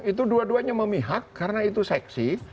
itu dua duanya memihak karena itu seksi